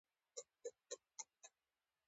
کاناډا د پولیسو اداره لري.